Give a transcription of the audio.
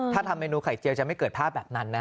ถ้าทำเมนูไข่เจียวจะไม่เกิดภาพแบบนั้นนะ